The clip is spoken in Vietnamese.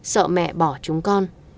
sợ mẹ bỏ chúng con